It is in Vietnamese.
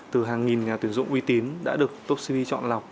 từ hàng nghìn nhà tuyển dụng uy tín đã được topcv chọn lọc